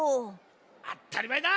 あったりまえだ！